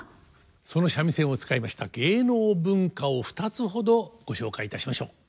その三味線を使いました芸能文化を２つほどご紹介いたしましょう。